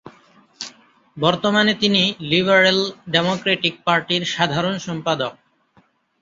বর্তমানে তিনি liberal democratic পার্টির সাধারণ সম্পাদক।